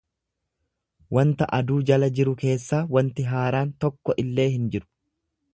wanta aduu jala jiru keessaa wanti haaraan tokko illee hin jiru.